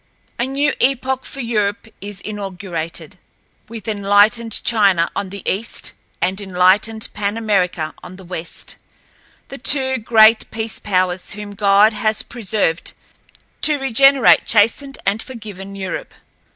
A new epoch for Europe is inaugurated, with enlightened China on the east and enlightened Pan America on the west—the two great peace powers whom God has preserved to regenerate chastened and forgiven Europe.